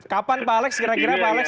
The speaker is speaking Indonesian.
kapan pak alex kira kira pak alex